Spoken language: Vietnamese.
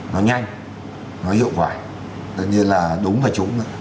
nó nhanh nó hiệu quả tất nhiên là đúng và trúng